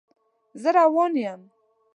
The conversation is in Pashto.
زه روان یم